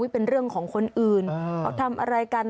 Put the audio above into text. เป็นเรื่องของคนอื่นเขาทำอะไรกัน